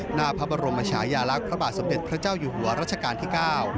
หน้าพระบรมชายาลักษณ์พระบาทสมเด็จพระเจ้าอยู่หัวรัชกาลที่๙